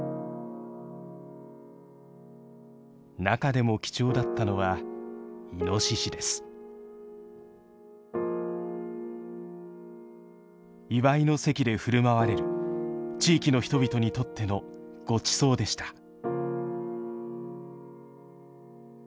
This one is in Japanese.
中でも貴重だったのは祝いの席で振る舞われる地域の人々にとってのごちそうでした。